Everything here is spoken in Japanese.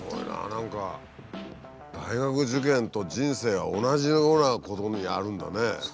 何か大学受験と人生が同じようなことにあるんだね。